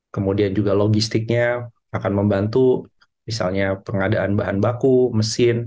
kemudian juga logistiknya akan membantu misalnya pengadaan bahan baku mesin